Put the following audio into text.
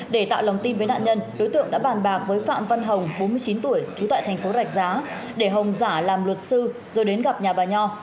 để tạo lòng tin với nạn nhân đối tượng đã bàn bạc với phạm văn hồng bốn mươi chín tuổi trú tại thành phố rạch giá để hồng giả làm luật sư rồi đến gặp nhà bà nho